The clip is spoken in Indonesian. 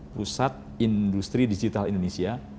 pusat industri digital indonesia